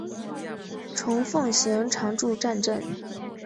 虫奉行常住战阵！